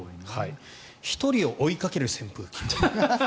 １人を追いかける扇風機。